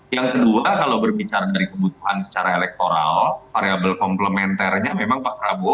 yang kedua kalau berbicara dari kebutuhan secara elektoral variable komplementernya memang pak prabowo